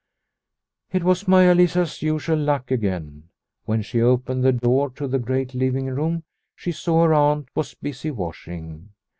It was Maia Lisa's usual luck again ! When she opened the door to the great living room she saw her aunt was busy washing.